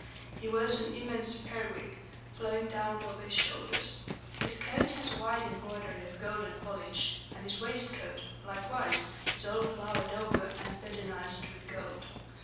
He wears an immense periwig, flowing down over his shoulders. His coat has a wide embroidery of golden foliage; and his waistcoat, likewise, is all flowered over and bedizened with gold.